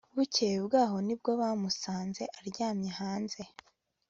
bukeye bwaho nibwo bamusanze aryamye hanze